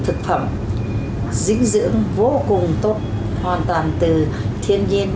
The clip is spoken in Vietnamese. thực phẩm dinh dưỡng vô cùng tốt hoàn toàn từ thiên nhiên